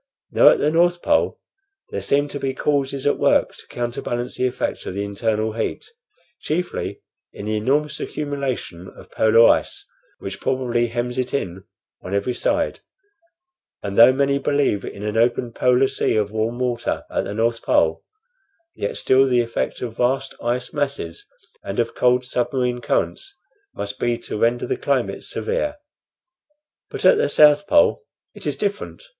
Now at the North Pole there seem to be causes at work to counterbalance the effect of the internal heat, chiefly in the enormous accumulation of polar ice which probably hems it in on every side; and though many believe in an open polar sea of warm water at the North Pole, yet still the effect of vast ice masses and of cold submarine currents must be to render the climate severe. But at the South Pole it is different.